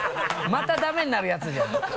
またダメになるやつじゃん。